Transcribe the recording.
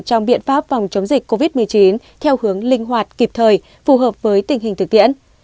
trong biện pháp phòng chống dịch covid một mươi chín theo hướng linh hoạt kịp thời phù hợp với tình hình thực tiễn